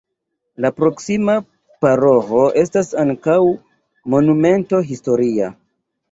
La proksima paroĥo estas ankaŭ monumento historia.